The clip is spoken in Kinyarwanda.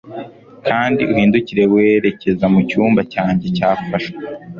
Kandi uhindukire werekeza mucyumba cyanjye cyafashwe